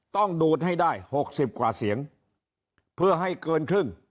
ต้องดูดให้ได้๖๐กว่าเสียงเพื่อให้เกินครึ่ง